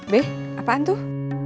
be apaan tuh